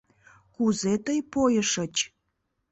«Кузе тый пойышыч?»